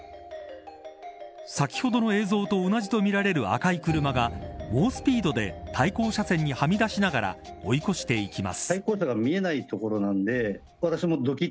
先ほどの映像と同じとみられる赤い車が猛スピードで対向車線にはみ出しながら追い越していきます。